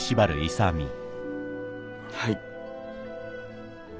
はい。